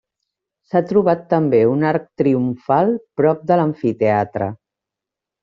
S'ha trobat també un arc triomfal prop de l'amfiteatre.